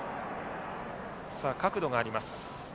さあ角度があります。